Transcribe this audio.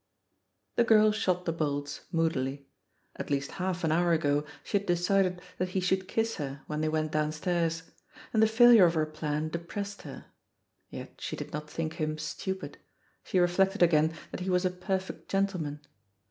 The girl shot the bolts moodily. At least half an hour ago she had decided that he should kiss her when they went downstairs, and the failiu^e of her plan depressed her. Yet she did not think him "stupid"; she reflected again that he was a "perfect gentleman."